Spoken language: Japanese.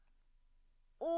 お。